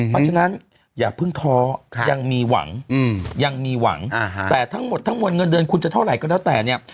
เพราะฉะนั้นอย่าพึ่งท้อยังมีหวังแต่ทั้งหมดเงินเดือนคุณจะเท่าไหร่ก็แล้วแต่เนี่ย